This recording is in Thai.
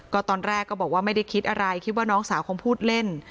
ก็ตอนแรกก็บอกว่าไม่ได้คิดอะไรคิดว่าน้องสาวคงพูดเล่น